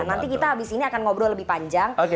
nanti kita habis ini akan ngobrol lebih panjang